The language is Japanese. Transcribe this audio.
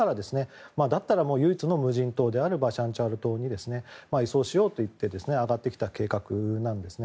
それなら、唯一の無人島であるバシャンチャール島に移送しようといって上がってきた計画なんですね。